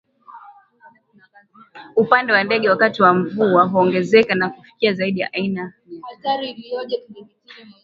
upande wa ndege wakati wa mvua huongezeka na kufikia zaidi ya aina mia tatu